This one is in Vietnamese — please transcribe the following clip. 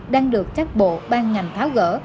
đang được các bộ ban ngành tháo gỡ